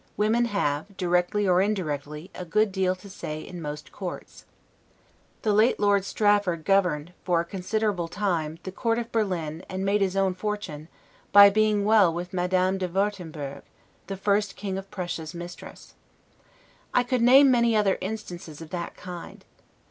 Women have, directly or indirectly; a good deal to say in most courts. The late Lord Strafford governed, for a considerable time, the Court of Berlin and made his own fortune, by being well with Madame de Wartenberg, the first King of Prussia's mistress. I could name many other instances of that kind.